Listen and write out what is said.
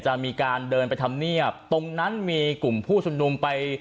จะมีการเดินไปทำเนียบตรงนั้นมีกลุ่มผู้ชุมนุมไป